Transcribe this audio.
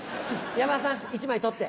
山田さん１枚取って。